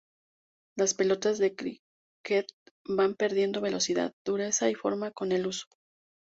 Las pelotas de críquet van perdiendo velocidad, dureza y forma con el uso.